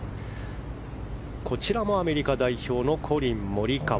こちらもアメリカ代表のコリン・モリカワ。